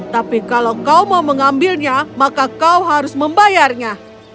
tapi kalau kau mau mengambilnya maka kau harus membayarnya